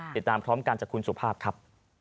ติดตามพร้อมกันจากคุณสุภาพครับ